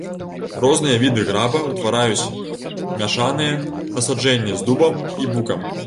Розныя віды граба ўтвараюць мяшаныя насаджэнні з дубам і букам.